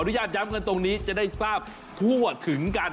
ญาตย้ำกันตรงนี้จะได้ทราบทั่วถึงกัน